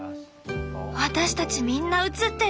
私たちみんな映ってる。